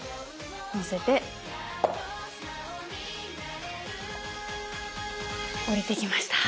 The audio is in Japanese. のせて降りてきました。